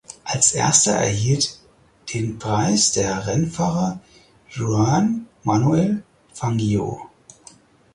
Als erster erhielt den Preis der Rennfahrer Juan Manuel Fangio.